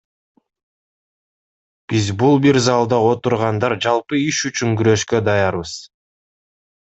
Биз, бул бир залда отургандар жалпы иш үчүн күрөшкө даярбыз.